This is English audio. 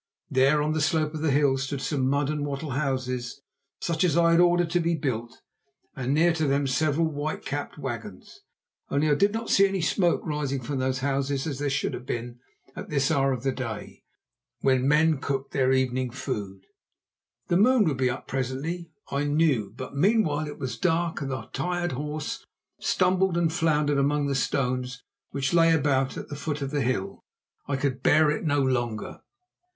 There on the slope of the hill stood some mud and wattle houses, such as I had ordered to be built, and near to them several white capped wagons. Only I did not see any smoke rising from those houses as there should have been at this hour of the day, when men cooked their evening food. The moon would be up presently, I knew, but meanwhile it was dark and the tired horse stumbled and floundered among the stones which lay about at the foot of the hill. I could bear it no longer.